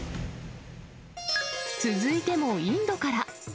続いてもインドから。